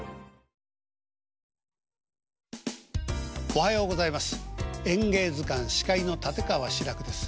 おはようございます。